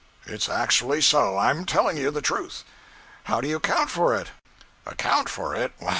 'It's actually so. I'm telling you the truth.' 'How do you account for it?' 'Account for it?